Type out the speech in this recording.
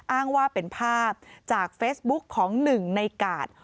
อ้างว่าเป็นภาพจากเฟซบุ๊กของหนึ่งในกาด